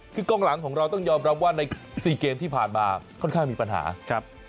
คือกล้องหลังของเราต้องยอมรับว่าใน๔เกมที่ผ่านมาค่อนข้างมีปัญหาครับ